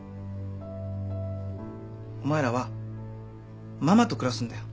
お前らはママと暮らすんだよ。